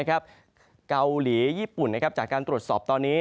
เกาหลีญี่ปุ่นจากการตรวจสอบตอนนี้